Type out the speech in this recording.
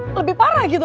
lebih parah gitu